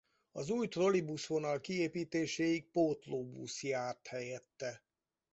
Az új trolibuszvonal kiépítéséig pótlóbusz járt helyette.